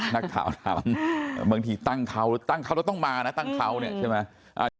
นักข่าวถามบางทีตั้งเขาต้องมานะตั้งเขาเนี่ยใช่ไหม